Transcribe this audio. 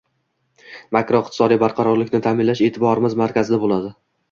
makroiqtisodiy barqarorlikni ta’minlash e’tiborimiz markazida bo‘ladi.